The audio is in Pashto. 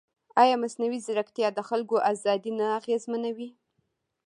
ایا مصنوعي ځیرکتیا د خلکو ازادي نه اغېزمنوي؟